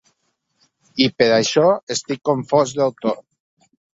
I per això estic confós del tot.